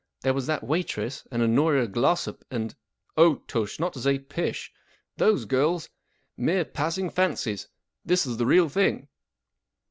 There was that waitress and Honoria Glossop and " 44 Oh, tush ! Not to say pish ! Those girls ? Mere passing fancies. This is the real thing."